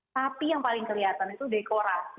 tapi yang paling kelihatan itu dekorasi